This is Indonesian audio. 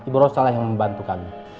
bu rosa lah yang membantu kami